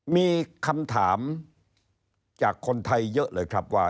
มีคำถามจากคนไทยเยอะเลยครับว่า